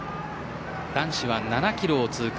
男子は７キロを通過。